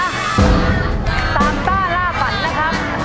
ตามต้าล่าฝันนะครับ